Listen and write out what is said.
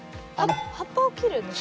葉っぱを切るんですか？